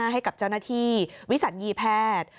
ให้กับเจ้าหน้าที่วิสัญญีแพทย์